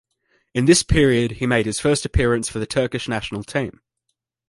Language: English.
In this period he made his first appearance for the Turkish national team.